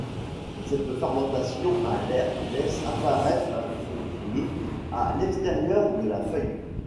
Cette fermentation à l'air laisse apparaître un fond bleu à l'extérieur de la feuille.